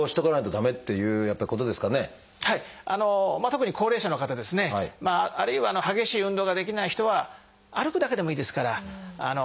特に高齢者の方ですねあるいは激しい運動ができない人は歩くだけでもいいですからおやりになるといいと思います。